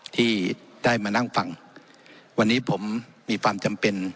ที่ได้มานั่งฟังวันนี้ผมมีความจำเป็น